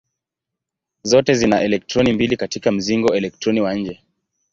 Zote zina elektroni mbili katika mzingo elektroni wa nje.